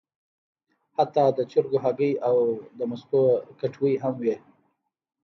حتی د چرګو هګۍ او د مستو کټوۍ هم وې.